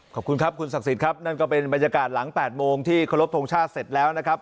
ขอบคุณครับคุณศักดิ์สิทธิ์ครับนั่นก็เป็นบรรยากาศหลัง๘โมงที่เคารพทงชาติเสร็จแล้วนะครับ